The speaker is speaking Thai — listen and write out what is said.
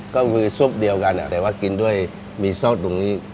ก็คือซุปเดียวกันแต่ว่ากินด้วยมีซอกตรงนี้